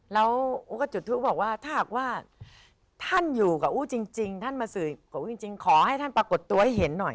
แล้วอู๋ก็จุดทูปบอกว่าถ้าหากว่าท่านอยู่กับอู้จริงท่านมาสื่อของอู้จริงขอให้ท่านปรากฏตัวให้เห็นหน่อย